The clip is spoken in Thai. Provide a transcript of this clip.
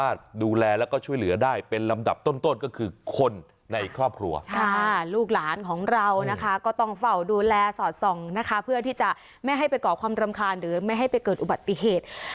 ลูกหลานของเรานะคะก็ต้องเฝ้าดูแลสอดส่องนะคะเพื่อที่จะไม่ให้ไปก่อความรำคาญหรือไม่ให้ไปเกิดอุบัติเหตุ